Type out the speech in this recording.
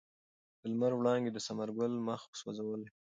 د لمر وړانګو د ثمر ګل مخ سوځولی و.